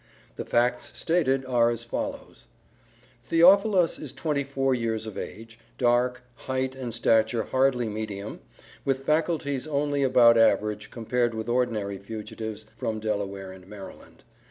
The facts stated are as follows: Theophilus is twenty four years of age, dark, height and stature hardly medium, with faculties only about average compared with ordinary fugitives from Delaware and Maryland.